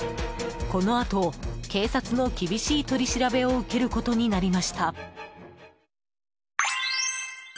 このあと警察の厳しい取り調べを受けることになりました。